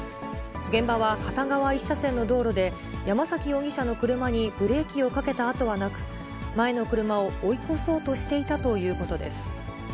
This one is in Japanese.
現場は片側１車線の道路で、山崎容疑者の車にブレーキをかけた跡はなく、前の車を追い越そうとしていたということです。